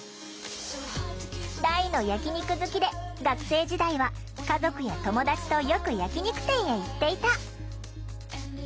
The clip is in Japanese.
大の焼き肉好きで学生時代は家族や友だちとよく焼き肉店へ行っていた。